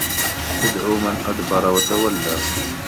تَدعو مَن أَدبَرَ وَتَوَلّى